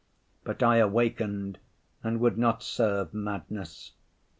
But I awakened and would not serve madness.